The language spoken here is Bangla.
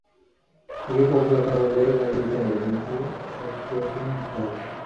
একে কপটতা বলে গাল দিতে পারি, কিন্তু এটা সত্য, একে মানতে হবে।